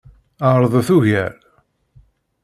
Ɛeṛḍet ugar.